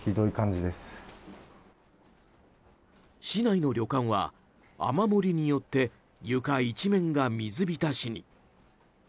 市内の旅館は雨漏りによって床一面が水浸しに。